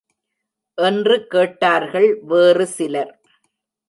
என்று கேட்டார்கள் வேறு சிலர்!